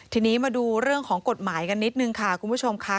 ทีนี้มาดูเรื่องของกฎหมายกันนิดนึงค่ะคุณผู้ชมค่ะ